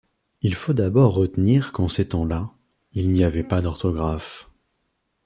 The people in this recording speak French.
Il faut d'abord retenir qu'en ces temps-là, il n'y avait pas d'orthographe.